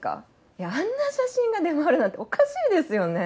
いやあんな写真が出回るなんておかしいですよね。